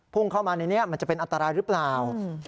พุ่งเข้ามาในนี้มันจะเป็นอันตรายหรือเปล่า